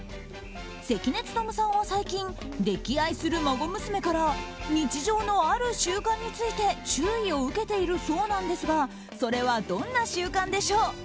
関根勤さんは最近溺愛する孫娘から日常のある習慣について注意を受けているそうなんですがそれはどんな習慣でしょう？